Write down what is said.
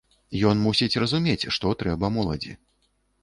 Ён мусіць разумець, што трэба моладзі.